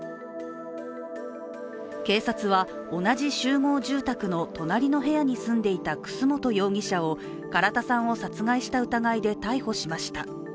警察は同じ集合住宅の隣の部屋に住んでいた楠本容疑者を唐田さんを殺害した疑いで逮捕しました。